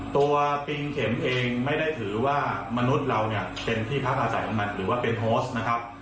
ปิงเข็มเองไม่ได้ถือว่ามนุษย์เราเนี่ยเป็นที่พักอาศัยของมันหรือว่าเป็นโฮสนะครับ